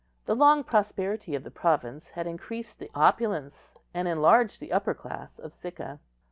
The long prosperity of the province had increased the opulence and enlarged the upper class of Sicca.